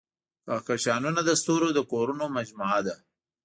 کهکشانونه د ستورو د کورونو مجموعه ده.